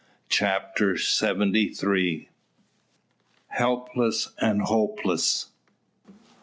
CHAPTER SEVENTY THREE. HELPLESS AND HOPELESS.